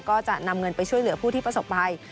ก็จะนำเงินไปช่วยเหลือผู้ที่ประสบภัย